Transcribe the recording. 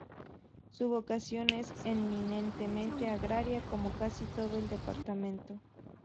Su vocación es eminentemente agraria como casi todo el Departamento.